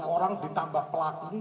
dua puluh satu orang ditambah pelaku